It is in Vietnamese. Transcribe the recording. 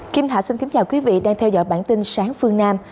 kim hạ xin kính chào quý vị đang theo dõi bản tin sáng phương nam